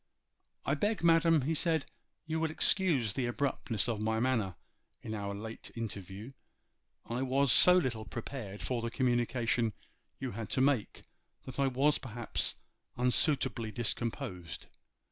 'I beg, madam,' he said, 'you will excuse the abruptness of my manner in our late interview. I was so little prepared for the communication you had to make that I was perhaps unsuitably discomposed.